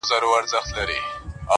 نو زنده گي څه كوي.